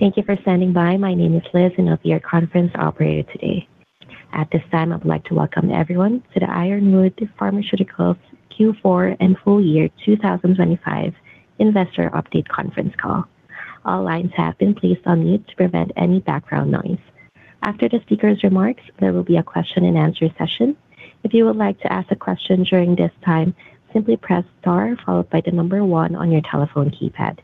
Thank you for standing by. My name is Liz, and I'll be your conference operator today. At this time, I would like to welcome everyone to the Ironwood Pharmaceuticals Q4 and Full Year 2025 Investor Update Conference Call. All lines have been placed on mute to prevent any background noise. After the speaker's remarks, there will be a question and answer session. If you would like to ask a question during this time, simply press star followed by the number one on your telephone keypad.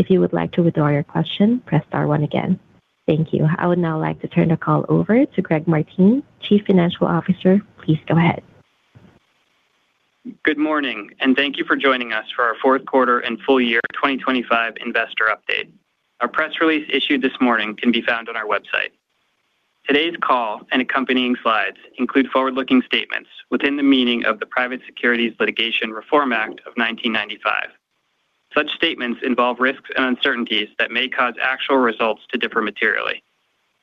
If you would like to withdraw your question, press star one again. Thank you. I would now like to turn the call over to Gregory Martini, Chief Financial Officer. Please go ahead. Good morning, thank you for joining us for our fourth quarter and full year 2025 investor update. Our press release issued this morning can be found on our website. Today's call and accompanying slides include forward-looking statements within the meaning of the Private Securities Litigation Reform Act of 1995. Such statements involve risks and uncertainties that may cause actual results to differ materially.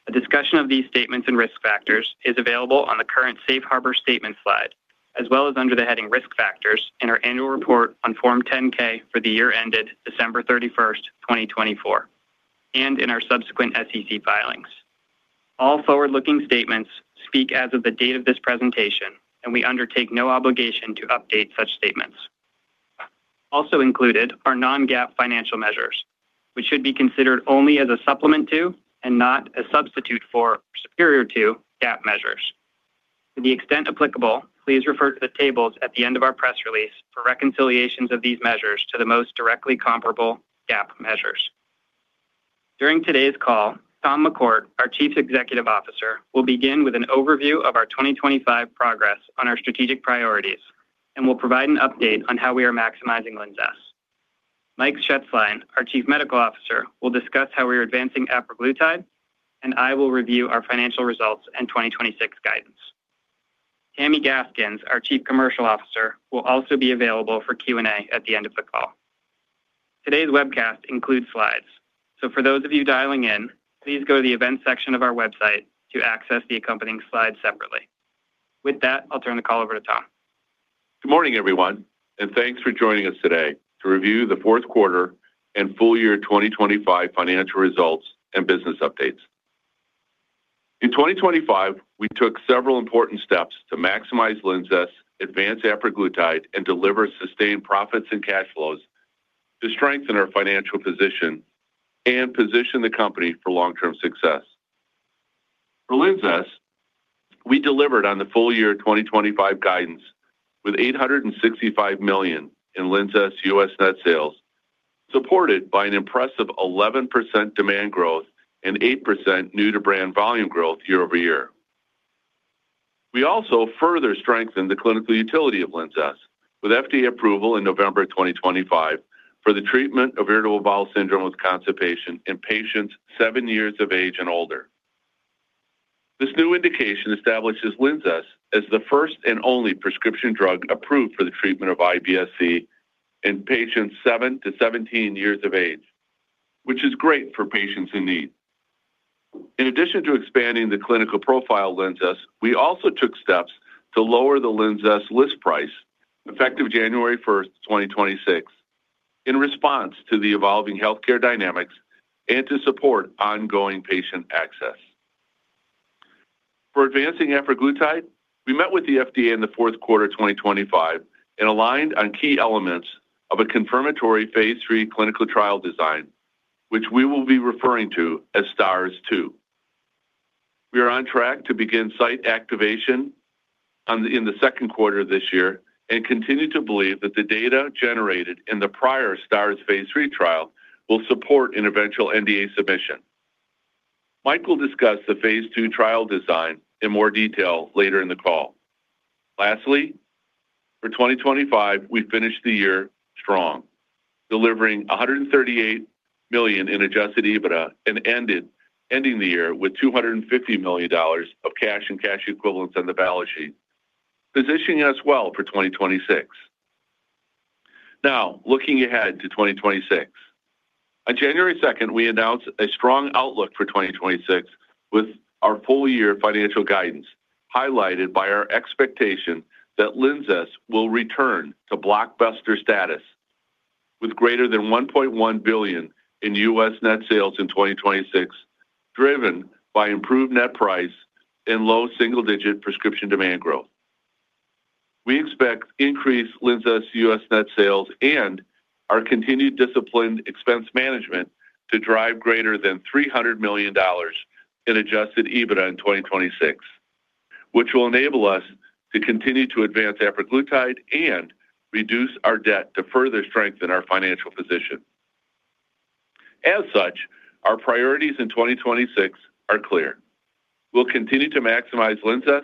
A discussion of these statements and risk factors is available on the current Safe Harbor Statement slide, as well as under the heading Risk Factors in our annual report on Form 10-K for the year ended December 31st, 2024, and in our subsequent SEC filings. All forward-looking statements speak as of the date of this presentation, and we undertake no obligation to update such statements. Also included are non-GAAP financial measures, which should be considered only as a supplement to and not a substitute for, or superior to, GAAP measures. To the extent applicable, please refer to the tables at the end of our press release for reconciliations of these measures to the most directly comparable GAAP measures. During today's call, Thomas McCourt, our Chief Executive Officer, will begin with an overview of our 2025 progress on our strategic priorities and will provide an update on how we are maximizing LINZESS. Michael Shetzline, our Chief Medical Officer, will discuss how we are advancing apraglutide, and I will review our financial results and 2026 guidance. Tammi Gaskins, our Chief Commercial Officer, will also be available for Q&A at the end of the call. Today's webcast includes slides. For those of you dialing in, please go to the events section of our website to access the accompanying slides separately. With that, I'll turn the call over to Tom. Good morning, everyone, and thanks for joining us today to review the fourth quarter and full year 2025 financial results and business updates. In 2025, we took several important steps to maximize LINZESS, advance apraglutide, and deliver sustained profits and cash flows to strengthen our financial position and position the company for long-term success. For LINZESS, we delivered on the full year 2025 guidance with $865 million in LINZESS U.S. net sales, supported by an impressive 11% demand growth and 8% new-to-brand volume growth year-over-year. We also further strengthened the clinical utility of LINZESS with FDA approval in November of 2025 for the treatment of irritable bowel syndrome with constipation in patients 7 years of age and older. This new indication establishes LINZESS as the 1st and only prescription drug approved for the treatment of IBS-C in patients 7 to 17 years of age, which is great for patients in need. In addition to expanding the clinical profile of LINZESS, we also took steps to lower the LINZESS list price, effective January 1, 2026, in response to the evolving healthcare dynamics and to support ongoing patient access. For advancing apraglutide, we met with the FDA in the 4th quarter of 2025 and aligned on key elements of a confirmatory Phase III clinical trial design, which we will be referring to as STARS-2. We are on track to begin site activation in the 2nd quarter of this year and continue to believe that the data generated in the prior STARS Phase III trial will support an eventual NDA submission. Mike will discuss the phase II trial design in more detail later in the call. Lastly, for 2025, we finished the year strong, delivering $138 million in Adjusted EBITDA and ending the year with $250 million of cash and cash equivalents on the balance sheet, positioning us well for 2026. Looking ahead to 2026. On January second, we announced a strong outlook for 2026 with our full year financial guidance, highlighted by our expectation that LINZESS will return to blockbuster status with greater than $1.1 billion in U.S. net sales in 2026, driven by improved net price and low single-digit prescription demand growth. We expect increased LINZESS U.S. net sales and our continued disciplined expense management to drive greater than $300 million in Adjusted EBITDA in 2026, which will enable us to continue to advance apraglutide and reduce our debt to further strengthen our financial position. As such, our priorities in 2026 are clear. We'll continue to maximize LINZESS.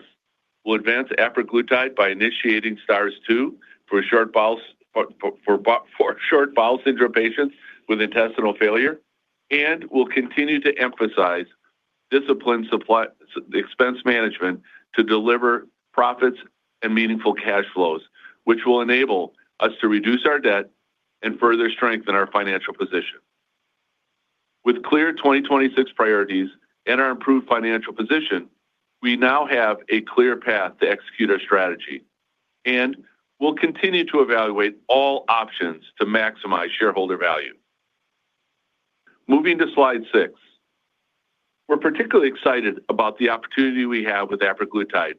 We'll advance apraglutide by initiating STARS-2 for short bowel syndrome patients with intestinal failure. We'll continue to emphasize disciplined expense management to deliver profits and meaningful cash flows, which will enable us to reduce our debt and further strengthen our financial position. With clear 2026 priorities and our improved financial position, we now have a clear path to execute our strategy. We'll continue to evaluate all options to maximize shareholder value. Moving to slide 6. We're particularly excited about the opportunity we have with apraglutide,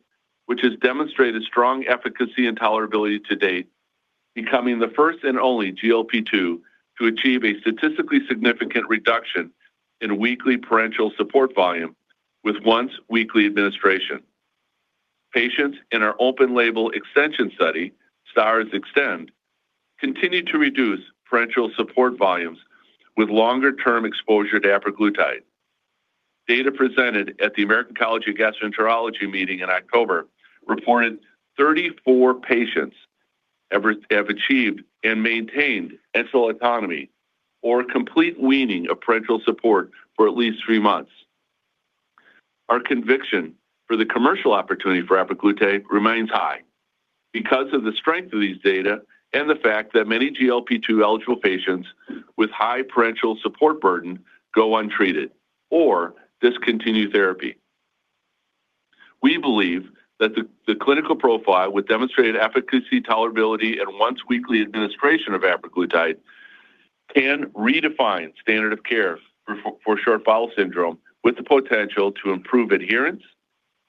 which has demonstrated strong efficacy and tolerability to date, becoming the first and only GLP-2 to achieve a statistically significant reduction in weekly parenteral support volume with once-weekly administration. Patients in our open label extension study, STARS Extend, continued to reduce parenteral support volumes with longer term exposure to apraglutide. Data presented at the American College of Gastroenterology meeting in October, reported 34 patients have achieved and maintained enteral autonomy or complete weaning of parenteral support for at least 3 months. Our conviction for the commercial opportunity for apraglutide remains high because of the strength of these data and the fact that many GLP-2 eligible patients with high parenteral support burden go untreated or discontinue therapy. We believe that the clinical profile with demonstrated efficacy, tolerability, and once-weekly administration of apraglutide can redefine standard of care for short bowel syndrome, with the potential to improve adherence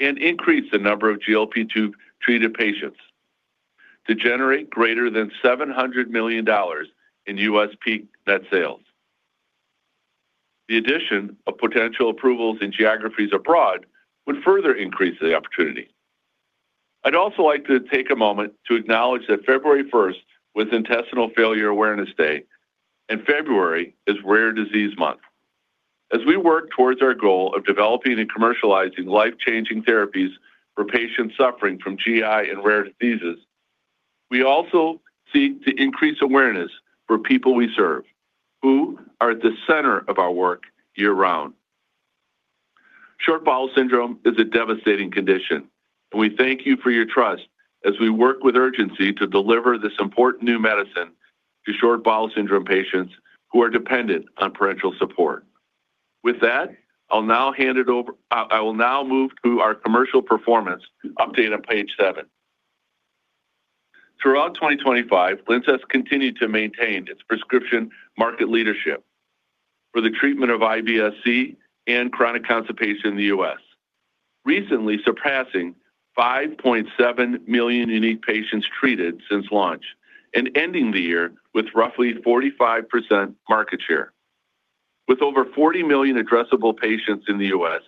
and increase the number of GLP-2 treated patients, to generate greater than $700 million in US peak net sales. The addition of potential approvals in geographies abroad would further increase the opportunity. I'd also like to take a moment to acknowledge that February first was Intestinal Failure Awareness Day, and February is Rare Disease Month. As we work towards our goal of developing and commercializing life-changing therapies for patients suffering from GI and rare diseases, we also seek to increase awareness for people we serve, who are at the center of our work year-round. Short bowel syndrome is a devastating condition, and we thank you for your trust as we work with urgency to deliver this important new medicine to short bowel syndrome patients who are dependent on parenteral support. With that, I will now move to our commercial performance update on page 7. Throughout 2025, LINZESS continued to maintain its prescription market leadership for the treatment of IBS-C and chronic constipation in the US. Recently surpassing 5.7 million unique patients treated since launch and ending the year with roughly 45% market share. With over 40 million addressable patients in the US,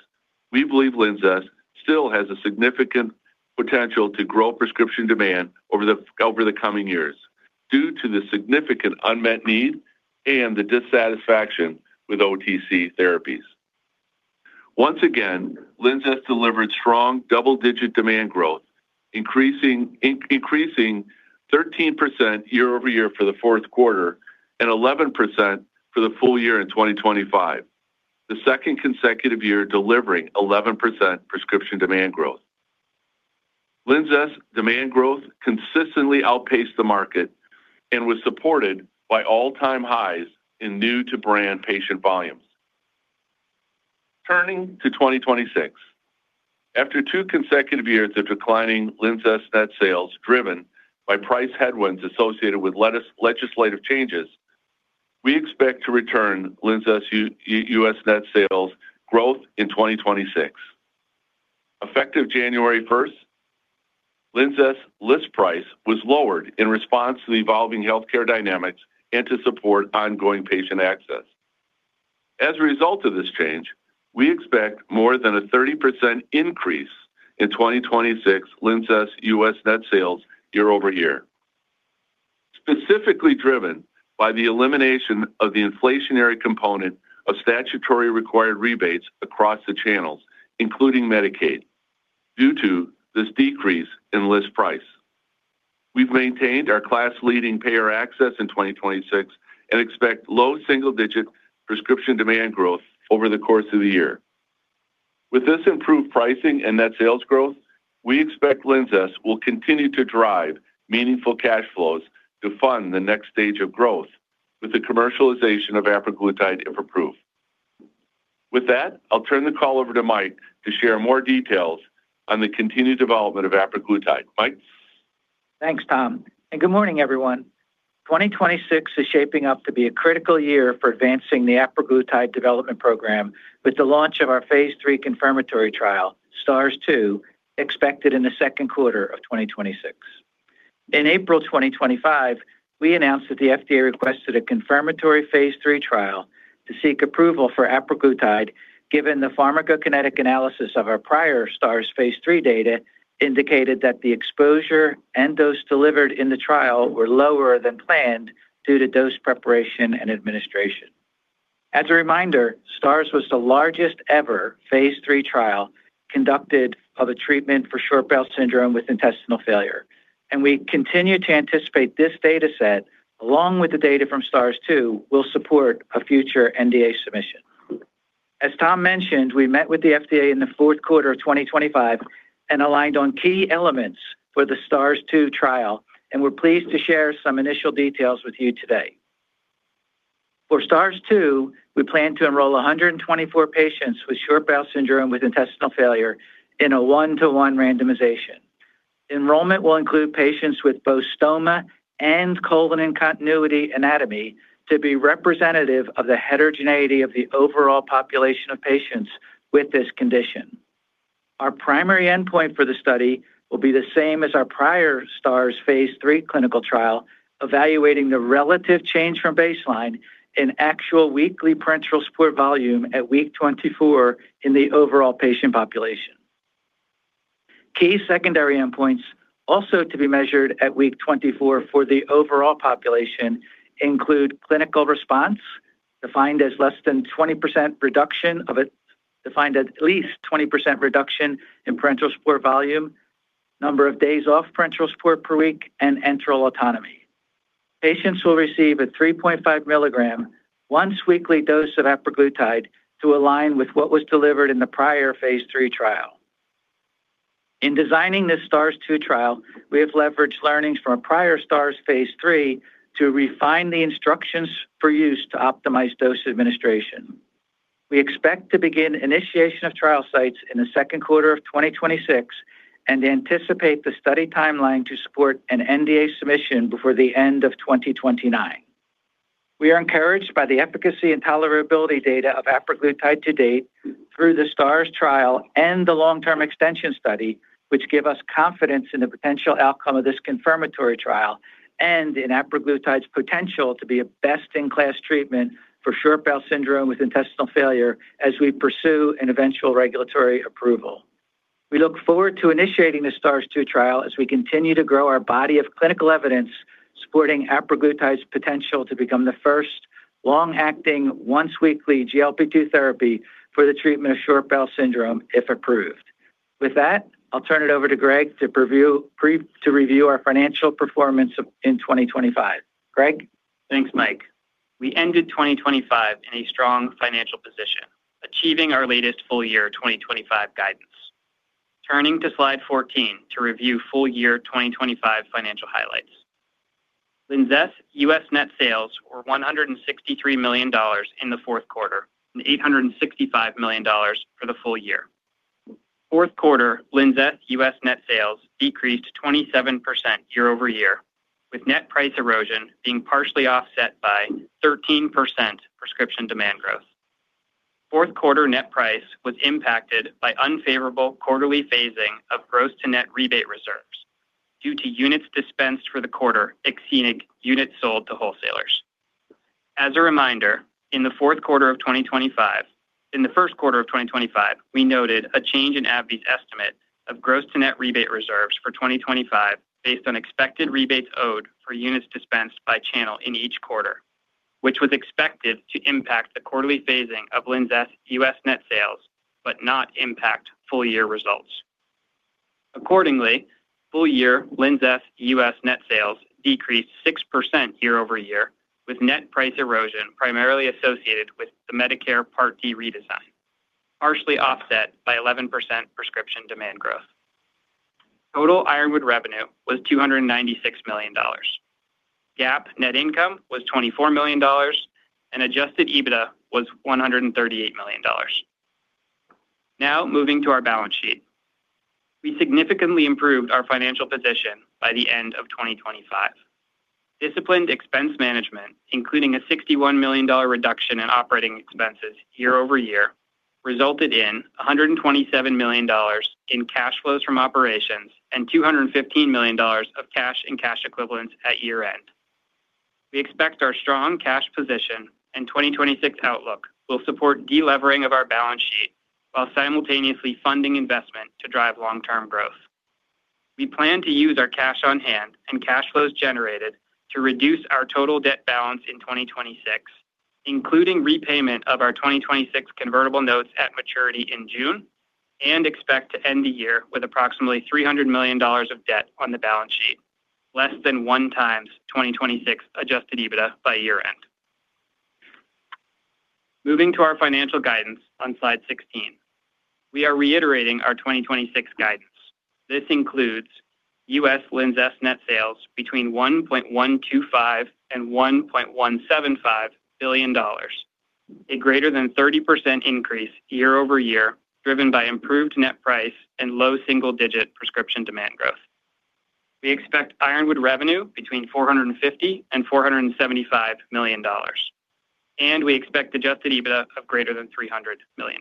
we believe LINZESS still has a significant potential to grow prescription demand over the coming years, due to the significant unmet need and the dissatisfaction with OTC therapies. Once again, LINZESS delivered strong double-digit demand growth, increasing 13% year-over-year for the fourth quarter and 11% for the full year in 2025, the second consecutive year delivering 11% prescription demand growth. LINZESS demand growth consistently outpaced the market and was supported by all-time highs in new to brand patient volumes. Turning to 2026. After two consecutive years of declining LINZESS net sales, driven by price headwinds associated with legislative changes, we expect to return LINZESS US net sales growth in 2026. Effective January 1st, LINZESS list price was lowered in response to the evolving healthcare dynamics and to support ongoing patient access. As a result of this change, we expect more than a 30% increase in 2026 LINZESS US net sales year-over-year. Specifically driven by the elimination of the inflationary component of statutory required rebates across the channels, including Medicaid, due to this decrease in list price. We've maintained our class-leading payer access in 2026 and expect low single-digit prescription demand growth over the course of the year. With this improved pricing and net sales growth, we expect LINZESS will continue to drive meaningful cash flows to fund the next stage of growth with the commercialization of apraglutide, if approved. With that, I'll turn the call over to Mike to share more details on the continued development of apraglutide. Mike? Thanks, Tom. Good morning, everyone. 2026 is shaping up to be a critical year for advancing the apraglutide development program with the launch of our phase III confirmatory trial, STARS-2, expected in the second quarter of 2026. In April 2025, we announced that the FDA requested a confirmatory phase III trial to seek approval for apraglutide, given the pharmacokinetic analysis of our prior STARS phase III data indicated that the exposure and dose delivered in the trial were lower than planned due to dose preparation and administration. As a reminder, STARS was the largest-ever phase III trial conducted of a treatment for short bowel syndrome with intestinal failure, and we continue to anticipate this data set, along with the data from STARS-2, will support a future NDA submission. As Tom mentioned, we met with the FDA in the fourth quarter of 2025 and aligned on key elements for the STARS-2 trial, and we're pleased to share some initial details with you today. For STARS-2, we plan to enroll 124 patients with short bowel syndrome with intestinal failure in a one-to-one randomization. Enrollment will include patients with both stoma and colon discontinuity anatomy to be representative of the heterogeneity of the overall population of patients with this condition. Our primary endpoint for the study will be the same as our prior STARS phase III clinical trial, evaluating the relative change from baseline in actual weekly parenteral support volume at week 24 in the overall patient population. Key secondary endpoints also to be measured at week 24 for the overall population include clinical response, defined as at least 20% reduction in parenteral support volume, number of days off parenteral support per week, and enteral autonomy. Patients will receive a 3.5 milligram once weekly dose of apraglutide to align with what was delivered in the prior phase III trial. In designing this STARS-2 trial, we have leveraged learnings from our prior STARS phase III to refine the instructions for use to optimize dose administration. We expect to begin initiation of trial sites in the second quarter of 2026 and anticipate the study timeline to support an NDA submission before the end of 2029. We are encouraged by the efficacy and tolerability data of apraglutide to date through the STARS trial and the long-term extension study, which give us confidence in the potential outcome of this confirmatory trial and in apraglutide's potential to be a best-in-class treatment for short bowel syndrome with intestinal failure as we pursue an eventual regulatory approval. We look forward to initiating the STARS 2 trial as we continue to grow our body of clinical evidence supporting apraglutide's potential to become the first long-acting, once-weekly GLP-2 therapy for the treatment of short bowel syndrome, if approved. With that, I'll turn it over to Greg to review our financial performance of, in 2025. Greg? Thanks, Mike. We ended 2025 in a strong financial position, achieving our latest full year 2025 guidance. Turning to slide 14 to review full year 2025 financial highlights. LINZESS net sales were $163 million in the fourth quarter and $865 million for the full year. Fourth quarter, LINZESS U.S. net sales decreased 27% year-over-year, with net price erosion being partially offset by 13% prescription demand growth. Fourth quarter net price was impacted by unfavorable quarterly phasing of gross to net rebate reserves due to units dispensed for the quarter exceeding units sold to wholesalers. As a reminder, in the fourth quarter of 2025, in the first quarter of 2025, we noted a change in AbbVie's estimate of gross to net rebate reserves for 2025 based on expected rebates owed for units dispensed by channel in each quarter, which was expected to impact the quarterly phasing of LINZESS US net sales, but not impact full year results. Accordingly, full year LINZESS US net sales decreased 6% year-over-year, with net price erosion primarily associated with the Medicare Part D redesign, partially offset by 11% prescription demand growth. Total Ironwood revenue was $296 million. GAAP net income was $24 million, and Adjusted EBITDA was $138 million. Now, moving to our balance sheet. We significantly improved our financial position by the end of 2025. Disciplined expense management, including a $61 million reduction in operating expenses year-over-year, resulted in $127 million in cash flows from operations and $215 million of cash and cash equivalents at year-end. We expect our strong cash position and 2026 outlook will support de-levering of our balance sheet while simultaneously funding investment to drive long-term growth. We plan to use our cash on hand and cash flows generated to reduce our total debt balance in 2026, including repayment of our 2026 convertible notes at maturity in June, and expect to end the year with approximately $300 million of debt on the balance sheet, less than 1 times 2026 Adjusted EBITDA by year-end. Moving to our financial guidance on slide 16. We are reiterating our 2026 guidance. This includes U.S. LINZESS net sales between $1.125 billion and $1.175 billion, a greater than 30% increase year-over-year, driven by improved net price and low single-digit prescription demand growth. We expect Ironwood revenue between $450 million and $475 million. We expect Adjusted EBITDA of greater than $300 million.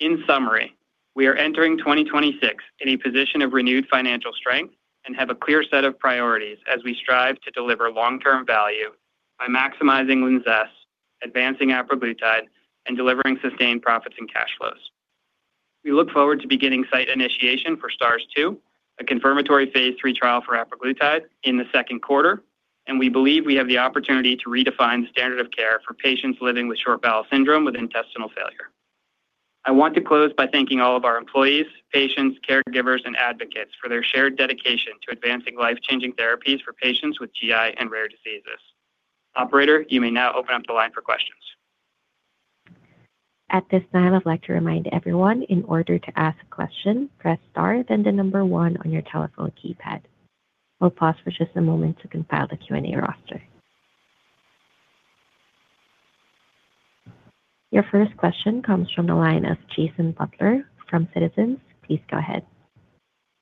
In summary, we are entering 2026 in a position of renewed financial strength and have a clear set of priorities as we strive to deliver long-term value by maximizing LINZESS, advancing apraglutide, and delivering sustained profits and cash flows. We look forward to beginning site initiation for STARS-2, a confirmatory phase III trial for apraglutide, in the second quarter, and we believe we have the opportunity to redefine the standard of care for patients living with short bowel syndrome with intestinal failure. I want to close by thanking all of our employees, patients, caregivers, and advocates for their shared dedication to advancing life-changing therapies for patients with GI and rare diseases. Operator, you may now open up the line for questions. At this time, I'd like to remind everyone, in order to ask a question, press star, then 1 on your telephone keypad. We'll pause for just a moment to compile the Q&A roster. Your first question comes from the line of Jason Butler from Citizens. Please go ahead.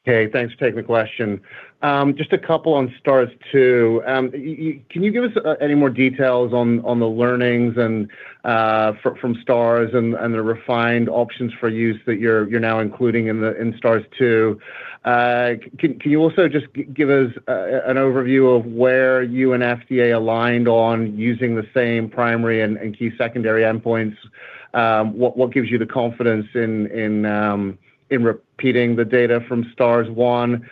Hey, thanks for taking the question. Just a couple on STARS-2. Can you give us any more details on the learnings and from STARS and the refined options for use that you're now including in the STARS-2? Can you also just give us an overview of where you and FDA aligned on using the same primary and key secondary endpoints? What gives you the confidence in repeating the data from STARS-1?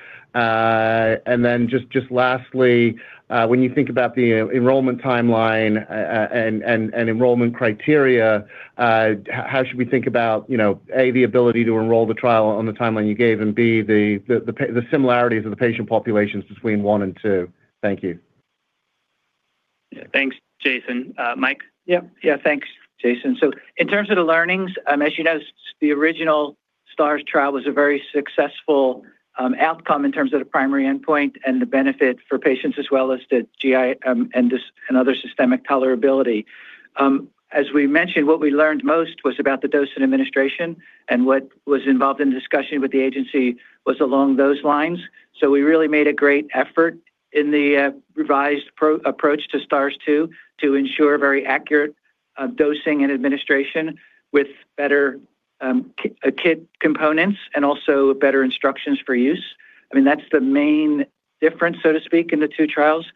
Just lastly, when you think about the enrollment timeline, and enrollment criteria, how should we think about, you know, A, the ability to enroll the trial on the timeline you gave, and B, the similarities of the patient populations between one and two? Thank you. Yeah. Thanks, Jason. Mike? Yeah. Yeah, thanks, Jason. In terms of the learnings, as you know, the original STARS trial was a very successful outcome in terms of the primary endpoint and the benefit for patients, as well as the GI and other systemic tolerability. As we mentioned, what we learned most was about the dosing administration, and what was involved in discussion with the agency was along those lines. We really made a great effort in the revised approach to STARS-2 to ensure very accurate dosing and administration with better kit components and also better instructions for use. I mean, that's the main difference, so to speak, in the two trials.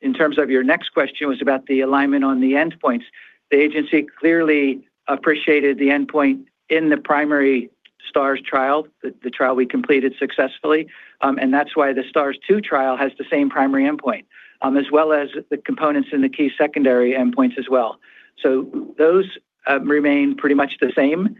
In terms of your next question, was about the alignment on the endpoints. The agency clearly appreciated the endpoint in the primary STARS trial, the trial we completed successfully. That's why the STARS-2 trial has the same primary endpoint, as well as the components in the key secondary endpoints as well. Those remain pretty much the same.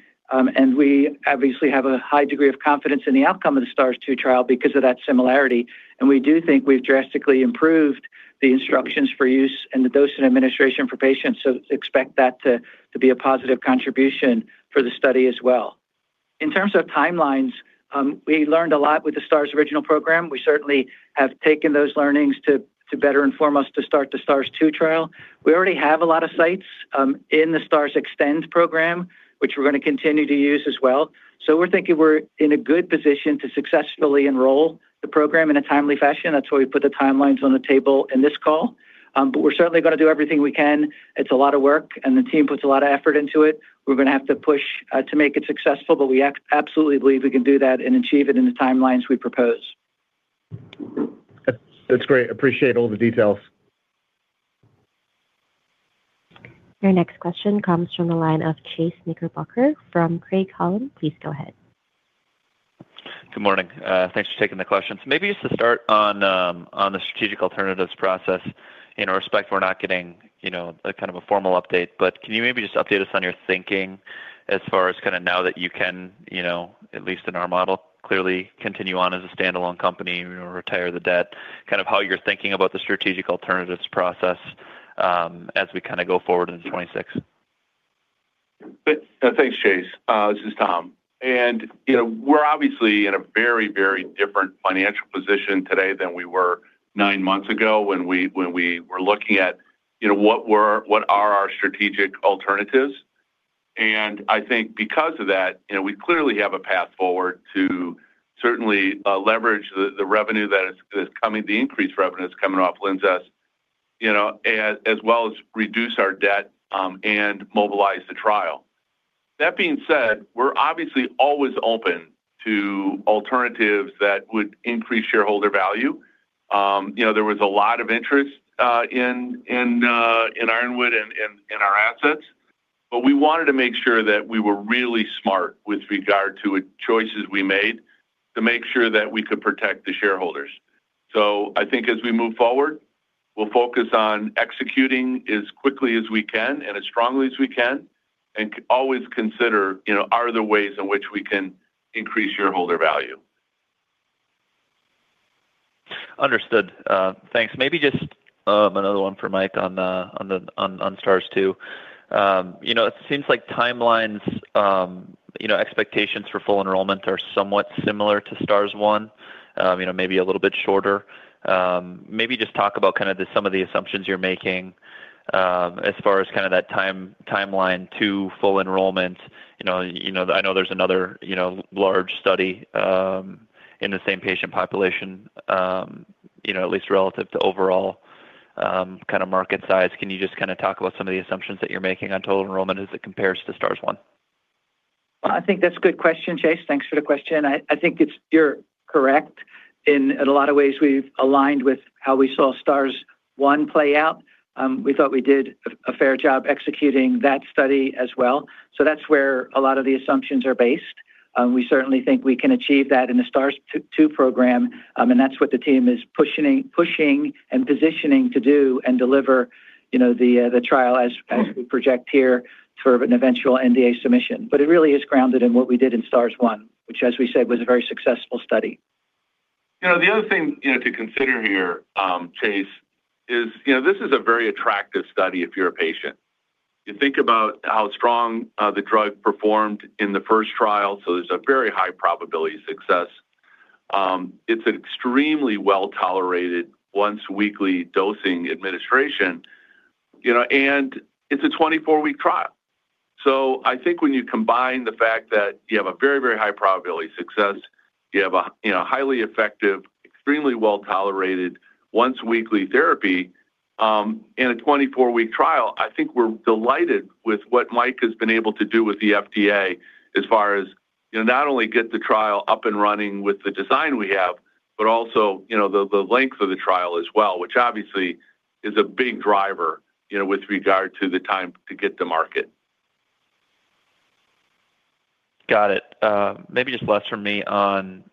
We obviously have a high degree of confidence in the outcome of the STARS-2 trial because of that similarity, and we do think we've drastically improved the instructions for use and the dosing administration for patients, so expect that to be a positive contribution for the study as well. In terms of timelines, we learned a lot with the STARS original program. We certainly have taken those learnings to better inform us to start the STARS-2 trial. We already have a lot of sites, in the STARS Extend program, which we're gonna continue to use as well. We're thinking we're in a good position to successfully enroll the program in a timely fashion. That's why we put the timelines on the table in this call. We're certainly gonna do everything we can. It's a lot of work, and the team puts a lot of effort into it. We're gonna have to push, to make it successful, but we absolutely believe we can do that and achieve it in the timelines we propose. That's great. Appreciate all the details. Your next question comes from the line of Chase Knickerbocker from Craig-Hallum. Please go ahead. Good morning. Thanks for taking the questions. Maybe just to start on the strategic alternatives process. In our respect, we're not getting, you know, a kind of a formal update, but can you maybe just update us on your thinking as far as kinda now that you can, you know, at least in our model, clearly continue on as a standalone company, retire the debt, kind of how you're thinking about the strategic alternatives process, as we kinda go forward into 2026? Thanks, Chase Knickerbocker. This is Thomas McCourt. You know, we're obviously in a very, very different financial position today than we were nine months ago when we, when we were looking at, you know, what are our strategic alternatives. I think because of that, you know, we clearly have a path forward to certainly leverage the revenue that is coming, the increased revenue that's coming off LINZESS, you know, as well as reduce our debt and mobilize the trial. That being said, we're obviously always open to alternatives that would increase shareholder value. You know, there was a lot of interest in Ironwood and in our assets, but we wanted to make sure that we were really smart with regard to what choices we made, to make sure that we could protect the shareholders. I think as we move forward, we'll focus on executing as quickly as we can and as strongly as we can, and always consider, you know, are there ways in which we can increase shareholder value? Understood. Thanks. Maybe just, another one for Mike on STARS-2. You know, it seems like timelines, you know, expectations for full enrollment are somewhat similar to STARS-1, you know, maybe a little bit shorter. Maybe just talk about kind of the, some of the assumptions you're making, as far as kind of that timeline to full enrollment. You know, I know there's another, you know, large study, in the same patient population, you know, at least relative to overall, kind of market size. Can you just kinda talk about some of the assumptions that you're making on total enrollment as it compares to STARS-1? I think that's a good question, Chase. Thanks for the question. I think you're correct. In a lot of ways, we've aligned with how we saw STARS-1 play out. We thought we did a fair job executing that study as well. That's where a lot of the assumptions are based. We certainly think we can achieve that in the STARS T-2 program, and that's what the team is pushing and positioning to do and deliver, you know, the trial as we project here for an eventual NDA submission. It really is grounded in what we did in STARS-1, which, as we said, was a very successful study. You know, the other thing, you know, to consider here, Chase, is, you know, this is a very attractive study if you're a patient. You think about how strong the drug performed in the first trial. There's a very high probability of success. It's an extremely well-tolerated once-weekly dosing administration, you know. It's a 24-week trial. I think when you combine the fact that you have a very, very high probability of success, you have a, you know, highly effective, extremely well-tolerated once-weekly therapy, in a 24-week trial, I think we're delighted with what Mike has been able to do with the FDA as far as, you know, not only get the trial up and running with the design we have, but also, you know, the length of the trial as well, which obviously is a big driver, you know, with regard to the time to get to market. Got it. Maybe just last from me on,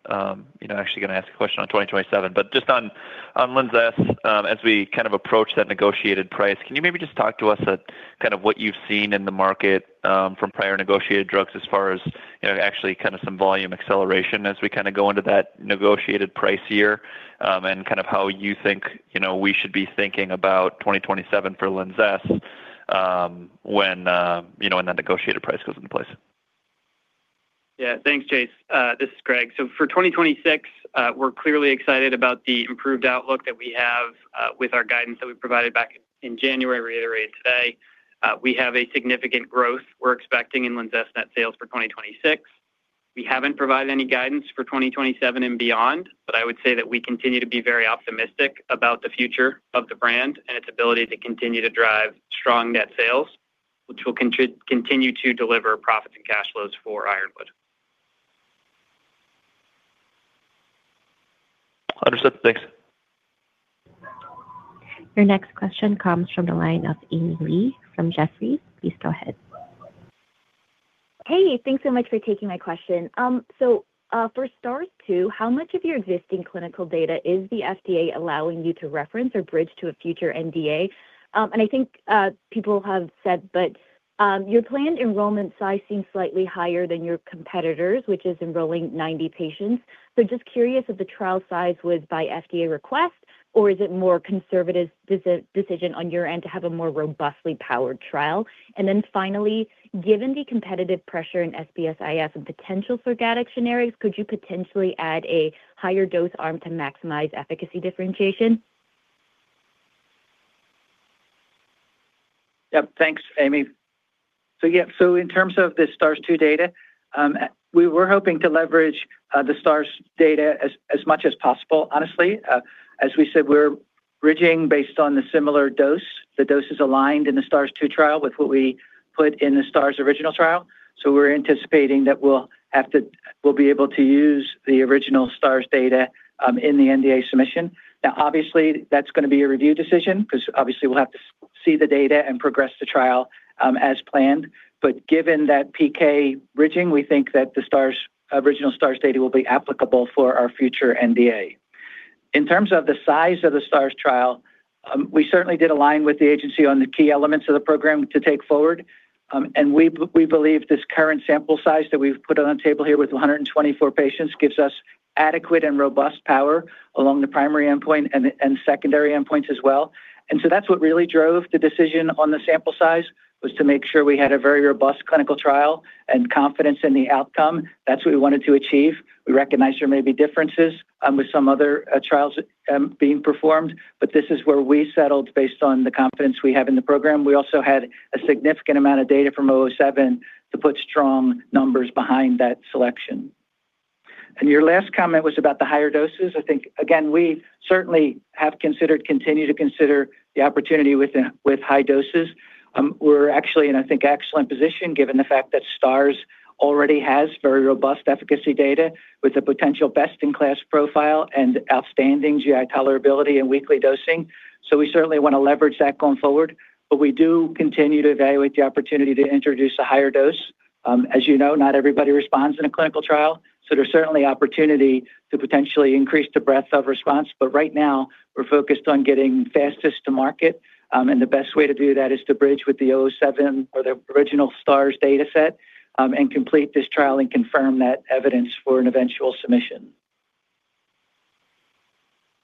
you know, actually gonna ask a question on 2027. Just on LINZESS, as we kinda approach that negotiated price, can you maybe just talk to us a kind of what you've seen in the market, from prior negotiated drugs as far as, you know, actually kind of some volume acceleration as we kinda go into that negotiated price year? Kind of how you think, you know, we should be thinking about 2027 for LINZESS, when, you know, when that negotiated price goes into place. Thanks, Chase. This is Greg. For 2026, we're clearly excited about the improved outlook that we have with our guidance that we provided back in January, reiterated today. We have a significant growth we're expecting in LINZESS net sales for 2026. We haven't provided any guidance for 2027 and beyond, but I would say that we continue to be very optimistic about the future of the brand and its ability to continue to drive strong net sales, which will continue to deliver profits and cash flows for Ironwood. Understood. Thanks. Your next question comes from the line of Amy Li from Jefferies. Please go ahead. Hey, thanks so much for taking my question. For STARS-2, how much of your existing clinical data is the FDA allowing you to reference or bridge to a future NDA? Your planned enrollment size seems slightly higher than your competitors, which is enrolling 90 patients. Just curious if the trial size was by FDA request, or is it more conservative decision on your end to have a more robustly powered trial? Finally, given the competitive pressure in SBSIF and potential for generic scenarios, could you potentially add a higher dose arm to maximize efficacy differentiation? Yep. Thanks, Amy. Yeah, so in terms of the STARS-2 data, we were hoping to leverage the STARS data as much as possible, honestly. As we said, we're bridging based on the similar dose. The dose is aligned in the STARS-2 trial with what we put in the STARS original trial. We're anticipating that we'll be able to use the original STARS data in the NDA submission. Obviously, that's gonna be a review decision, 'cause obviously we'll have to see the data and progress the trial as planned. Given that PK bridging, we think that the STARS, original STARS data will be applicable for our future NDA. In terms of the size of the STARS trial, we certainly did align with the agency on the key elements of the program to take forward. We believe this current sample size that we've put on the table here with 124 patients gives us adequate and robust power along the primary endpoint and secondary endpoints as well. That's what really drove the decision on the sample size, was to make sure we had a very robust clinical trial and confidence in the outcome. That's what we wanted to achieve. We recognize there may be differences with some other trials being performed, but this is where we settled based on the confidence we have in the program. We also had a significant amount of data from TA799-007 to put strong numbers behind that selection. Your last comment was about the higher doses. I think, again, we certainly have considered, continue to consider the opportunity with high doses. We're actually in, I think, excellent position, given the fact that STARS already has very robust efficacy data with a potential best-in-class profile and outstanding GI tolerability and weekly dosing. We certainly wanna leverage that going forward, but we do continue to evaluate the opportunity to introduce a higher dose. As you know, not everybody responds in a clinical trial, there's certainly opportunity to potentially increase the breadth of response. Right now, we're focused on getting fastest to market, and the best way to do that is to bridge with the TA799-007 or the original STARS dataset, and complete this trial and confirm that evidence for an eventual submission.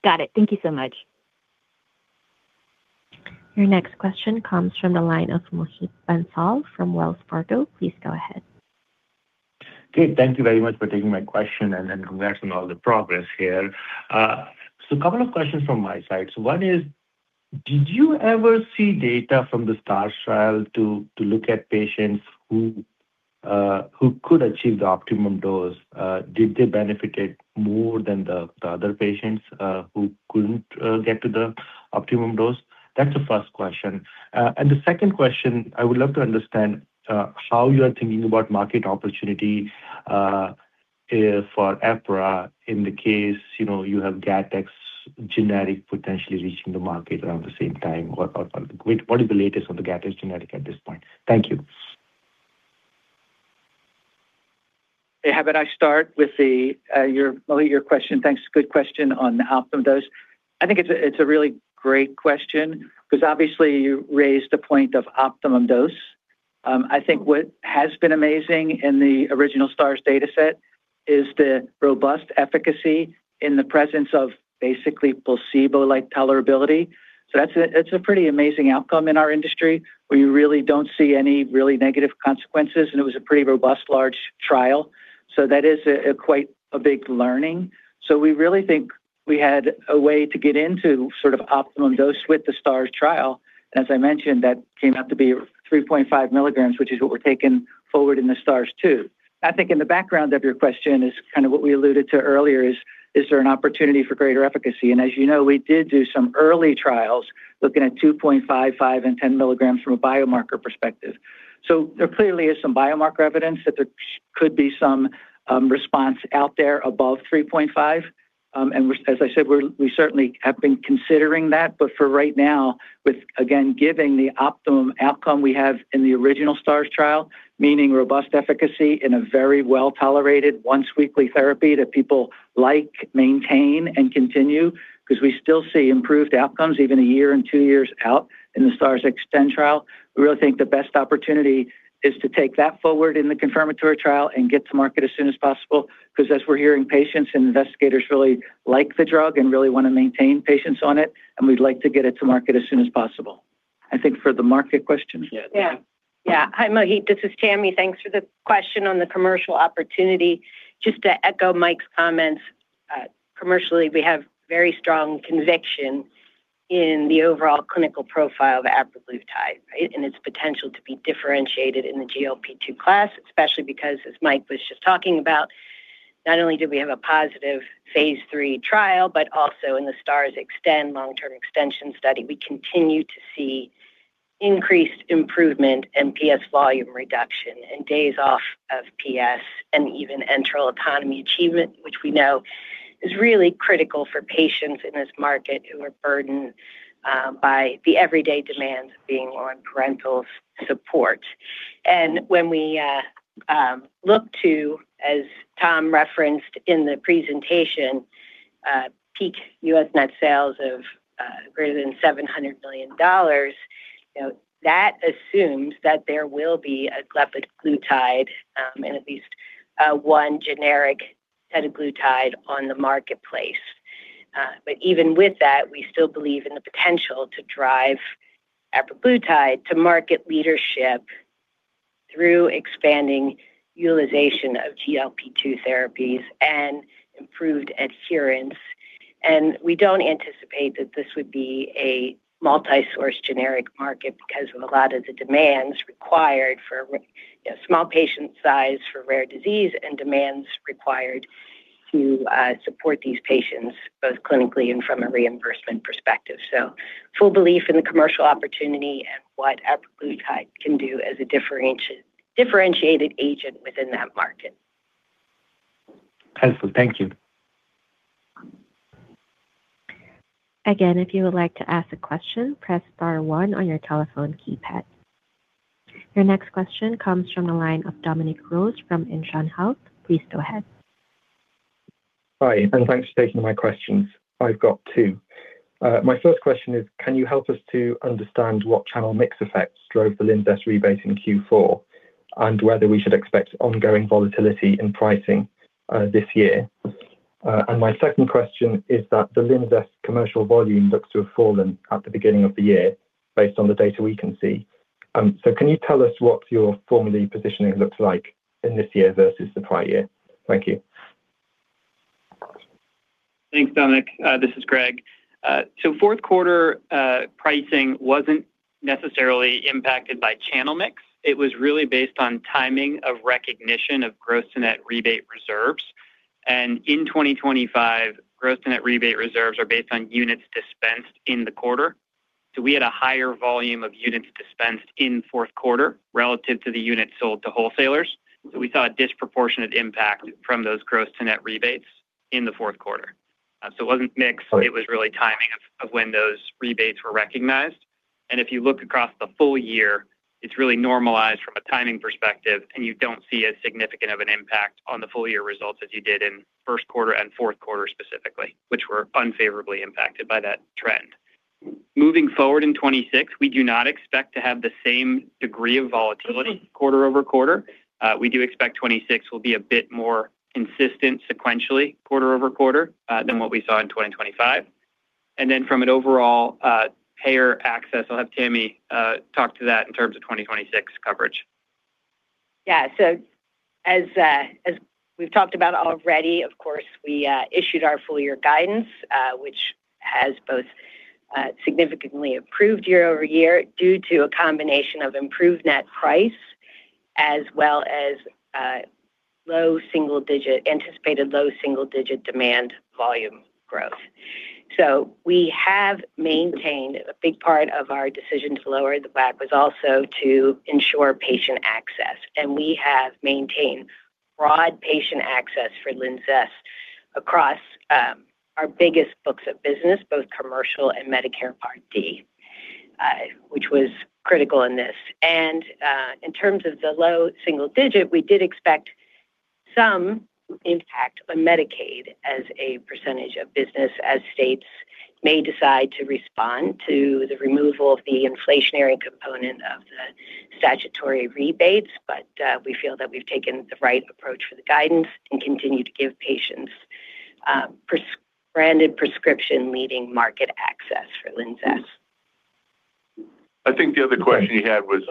Got it. Thank you so much. Your next question comes from the line of Mohit Bansal from Wells Fargo. Please go ahead. Thank you very much for taking my question, congrats on all the progress here. A couple of questions from my side. One is, did you ever see data from the STARS trial to look at patients who could achieve the optimum dose? Did they benefit more than the other patients who couldn't get to the optimum dose? That's the first question. The second question, I would love to understand how you are thinking about market opportunity if for Apra in the case, you know, you have Gattex generic potentially reaching the market around the same time. What is the latest on the Gattex generic at this point? Thank you. How about I start with your, Mohit, your question. Thanks. Good question on the optimum dose. I think it's a really great question because obviously you raised a point of optimum dose. I think what has been amazing in the original STARS dataset is the robust efficacy in the presence of basically placebo-like tolerability. That's a pretty amazing outcome in our industry, where you really don't see any really negative consequences, and it was a pretty robust, large trial. That is a quite a big learning. We really think we had a way to get into sort of optimum dose with the STARS trial. As I mentioned, that came out to be 3.5 milligrams, which is what we're taking forward in the STARS-2. I think in the background of your question is kind of what we alluded to earlier, is there an opportunity for greater efficacy? As you know, we did do some early trials looking at 2.5 and 10 milligrams from a biomarker perspective. There clearly is some biomarker evidence that there could be some response out there above 3.5. As I said, we certainly have been considering that, but for right now, with, again, giving the optimum outcome we have in the original STARS trial, meaning robust efficacy in a very well-tolerated, once weekly therapy that people like, maintain, and continue. We still see improved outcomes even 1 year and 2 years out in the STARS Extend trial. We really think the best opportunity is to take that forward in the confirmatory trial and get to market as soon as possible. Because as we're hearing, patients and investigators really like the drug and really want to maintain patients on it, and we'd like to get it to market as soon as possible. I think for the market questions. Yeah. Yeah. Hi, Mohit, this is Tammi. Thanks for the question on the commercial opportunity. Just to echo Mike's comments, commercially, we have very strong conviction in the overall clinical profile of apraglutide and its potential to be differentiated in the GLP-2 class. Especially because, as Mike was just talking about, not only do we have a positive Phase III trial, but also in the STARS Extend long-term extension study, we continue to see increased improvement in PS volume reduction and days off of PS, and even enteral autonomy achievement. Which we know is really critical for patients in this market who are burdened by the everyday demands of being on parenteral support. When we look to, as Tom referenced in the presentation, peak U.S. net sales of greater than $700 million, you know, that assumes that there will be a glepaglutide and at least one generic teduglutide on the marketplace. Even with that, we still believe in the potential to drive apraglutide to market leadership through expanding utilization of GLP-2 therapies and improved adherence. We don't anticipate that this would be a multi-source generic market because of a lot of the demands required for, you know, small patient size, for rare disease, and demands required to support these patients, both clinically and from a reimbursement perspective. Full belief in the commercial opportunity and what apraglutide can do as a differentiated agent within that market. Helpful. Thank you. Again, if you would like to ask a question, press star one on your telephone keypad. Your next question comes from the line of Dominic Rose from Intron Health. Please go ahead. Hi, thanks for taking my questions. I've got two. My first question is, can you help us to understand what channel mix effects drove the LINZESS rebate in Q4, and whether we should expect ongoing volatility in pricing this year? My second question is that the LINZESS commercial volume looks to have fallen at the beginning of the year based on the data we can see. Can you tell us what your formula positioning looks like in this year versus the prior year? Thank you. Thanks, Dominic. This is Greg. Fourth quarter pricing wasn't necessarily impacted by channel mix. It was really based on timing of recognition of gross to net rebate reserves. In 2025, gross to net rebate reserves are based on units dispensed in the quarter. We had a higher volume of units dispensed in fourth quarter relative to the units sold to wholesalers. We saw a disproportionate impact from those gross to net rebates in the fourth quarter. It wasn't mixed- Right. It was really timing of when those rebates were recognized. If you look across the full year, it's really normalized from a timing perspective, and you don't see as significant of an impact on the full year results as you did in first quarter and fourth quarter, specifically. Were unfavorably impacted by that trend. Moving forward in 2026, we do not expect to have the same degree of volatility quarter-over-quarter. We do expect 2026 will be a bit more consistent sequentially, quarter-over-quarter, than what we saw in 2025. From an overall payer access, I'll have Tammi talk to that in terms of 2026 coverage. Yeah. As we've talked about already, of course, we issued our full year guidance, which has both significantly improved year-over-year due to a combination of improved net price, as well as low single-digit anticipated low single-digit demand volume growth. We have maintained, a big part of our decision to lower the WAC was also to ensure patient access, and we have maintained broad patient access for LINZESS across our biggest books of business, both commercial and Medicare Part D, which was critical in this. In terms of the low single-digit, we did expect some impact on Medicaid as a % of business, as states may decide to respond to the removal of the inflationary component of the statutory rebates. We feel that we've taken the right approach for the guidance and continue to give patients, branded prescription-leading market access for LINZESS. I think the other question you had was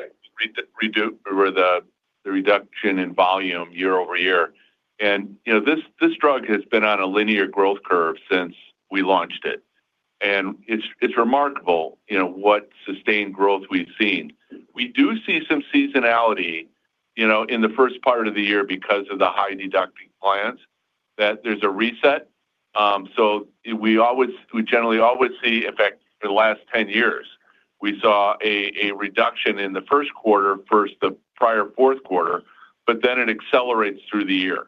the reduction in volume year-over-year. You know, this drug has been on a linear growth curve since we launched it, and it's remarkable, you know, what sustained growth we've seen. We do see some seasonality, you know, in the first part of the year because of the high-deducting plans, that there's a reset. We generally always see. In fact, for the last 10 years, we saw a reduction in the first quarter, first the prior fourth quarter, but then it accelerates through the year.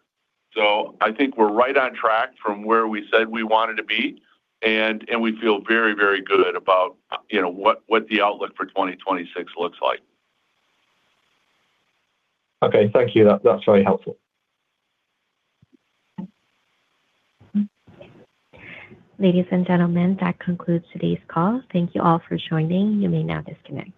I think we're right on track from where we said we wanted to be, and we feel very, very good about, you know, what the outlook for 2026 looks like. Okay, thank you. That's very helpful. Ladies and gentlemen, that concludes today's call. Thank you all for joining. You may now disconnect.